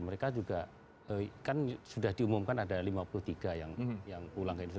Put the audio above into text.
mereka juga kan sudah diumumkan ada lima puluh tiga yang pulang ke indonesia